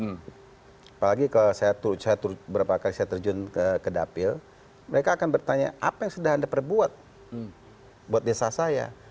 apalagi kalau saya berapa kali saya terjun ke dapil mereka akan bertanya apa yang sudah anda perbuat buat desa saya